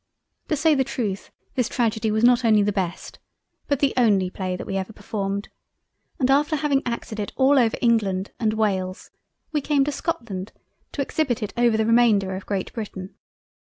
To say the truth this tragedy was not only the Best, but the only Play that we ever performed; and after having acted it all over England, and Wales, we came to Scotland to exhibit it over the remainder of Great Britain.